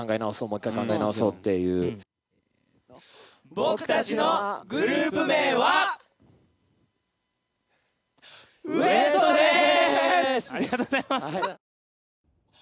僕たちのグループ名はＷＥＳＴ．です！